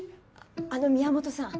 あの宮本さん